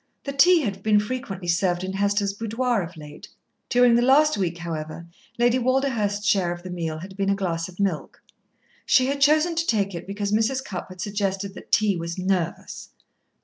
The tea had been frequently served in Hester's boudoir of late. During the last week, however, Lady Walderhurst's share of the meal had been a glass of milk. She had chosen to take it because Mrs. Cupp had suggested that tea was "nervous."